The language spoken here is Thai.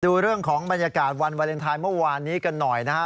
ดูเรื่องของบรรยากาศวันวาเลนไทยเมื่อวานนี้กันหน่อยนะฮะ